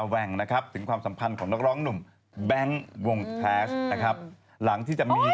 แภกนะอย่าจัดสักวันสรรค์ส่องหลายนิตมีได้สักสองวันมึงนะ